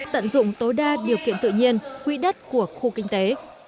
tận dụng tối đa điều kiện tự nhiên quỹ đất của khu kinh tế